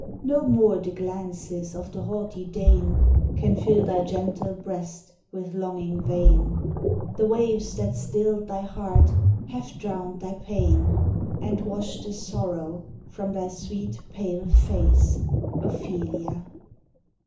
No more the glances of the haughty Dane Can fill thy gentle breast with longing vain. The waves that stilled thy heart have drowned thy pain, And washed the sorrow from thy sweet, pale face, Ophelia.